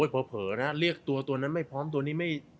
เผลอนะเรียกตัวตัวนั้นไม่พร้อมตัวนี้ไม่